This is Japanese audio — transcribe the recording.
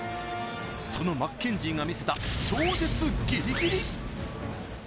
そのマッケンジーが見せた超絶ギリギリ。